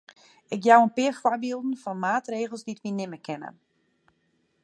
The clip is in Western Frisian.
Ik jou in pear foarbylden fan maatregels dy't wy nimme kinne.